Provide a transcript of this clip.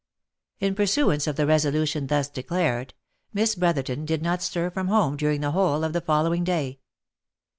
In pursuance of the resolution thus declared, Miss Brotherton did not stir from home during the whole of the following day.